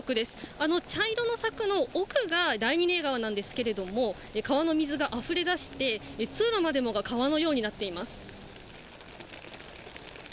あの茶色の柵の奥が、第二寝屋川なんですけども、川の水があふれ出して、通路までもが川のようになっています。